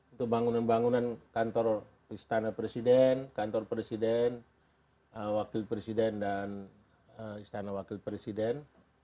untuk bangunan bangunan kantor istana presiden kantor presiden wakil presiden dan istana wakil presiden